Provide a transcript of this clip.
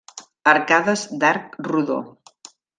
Arcades d'arc rodó.